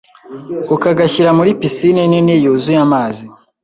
ukagashyira muri pisine nini yuzuye amazi,